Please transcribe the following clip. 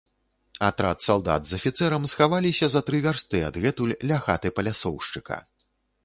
Атрад салдат з афіцэрам схаваліся за тры вярсты адгэтуль, ля хаты палясоўшчыка.